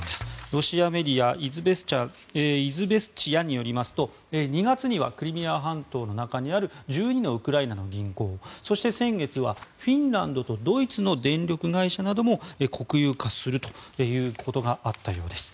ロシアメディアイズベスチヤによりますと２月にはクリミア半島の中にある１２のウクライナの銀行そして先月は、フィンランドとドイツの電力会社なども国有化するということがあったようです。